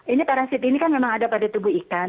ini parasit ini kan memang ada pada tubuh ikan